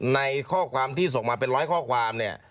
ในข้อความที่ส่งมาเป็นร้อยข้อความเนี่ย